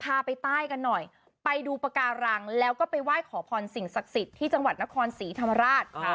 พาไปใต้กันหน่อยไปดูปากการังแล้วก็ไปไหว้ขอพรสิ่งศักดิ์สิทธิ์ที่จังหวัดนครศรีธรรมราช